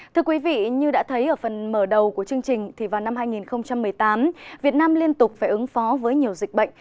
thưa quý vị như đã thấy ở phần mở đầu của chương trình thì vào năm hai nghìn một mươi tám việt nam liên tục phải ứng phó với nhiều dịch bệnh